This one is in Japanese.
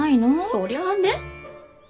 そりゃね。